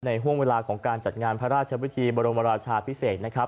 ห่วงเวลาของการจัดงานพระราชวิธีบรมราชาพิเศษนะครับ